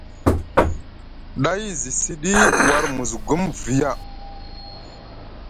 Day zi siɗi war Musgum viya.